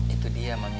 itu dia mami